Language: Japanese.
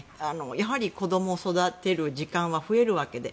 やはり子供を育てる時間は増えるわけで。